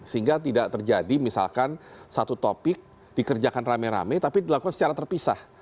sehingga tidak terjadi misalkan satu topik dikerjakan rame rame tapi dilakukan secara terpisah